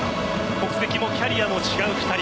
国籍もキャリアも違う２人。